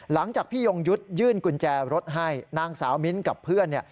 หลังจากพี่ยงยุทธ์ยื่นกุญแจรถให้นางสาวมิ้นกับเพื่อน